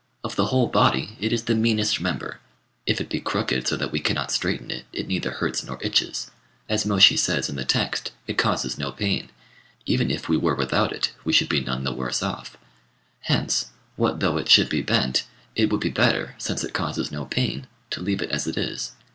Of the whole body it is the meanest member: if it be crooked so that we cannot straighten it, it neither hurts nor itches; as Môshi says in the text, it causes no pain; even if we were without it, we should be none the worse off. Hence, what though it should be bent, it would be better, since it causes no pain, to leave it as it is.